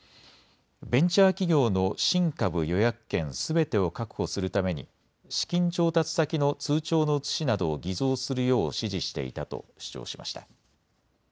ベンチャー企業の新株予約権すべてを確保するために資金調達先の通帳の写しなどを偽造するよう指示していたと主張しました。